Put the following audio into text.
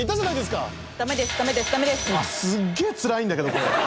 すっげえつらいんだけどこれ。